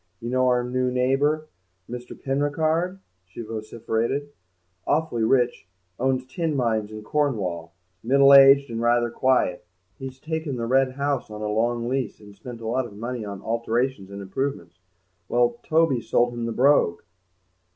"You know our new neighbour, Mr. Penricarde?" she vociferated; "awfully rich, owns tin mines in Cornwall, middle aged and rather quiet. He's taken the Red House on a long lease and spent a lot of money on alterations and improvements. Well, Toby's sold him the Brogue!"